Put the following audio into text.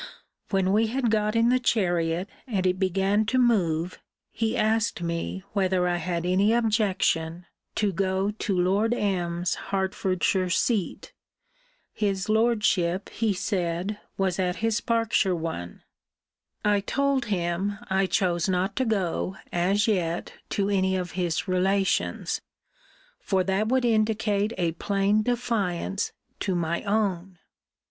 When we had got in the chariot, and it began to move, he asked me, whether I had any objection to go to Lord M.'s Hertfordshire seat? His Lordship, he said, was at his Berkshire one. I told him, I chose not to go, as yet, to any of his relations; for that would indicate a plain defiance to my own.